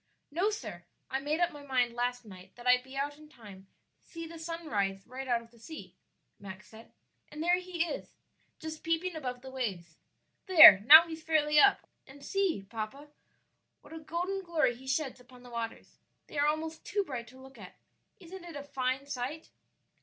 "No, sir, I made up my mind last night that I'd be out in time to see the sun rise right out of the sea," Max said; "and there he is, just peeping above the waves. There, now he's fairly up I and see, papa, what a golden glory he sheds upon the waters; they are almost too bright to look at. Isn't it a fine sight?"